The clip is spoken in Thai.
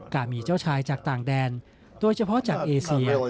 การมีเจ้าชายจากต่างแดนโดยเฉพาะจากเอเซีย